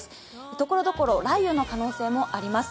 ところどころ雷雨の可能性もあります。